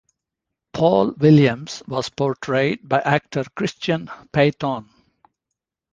Paul Williams was portrayed by actor Christian Payton.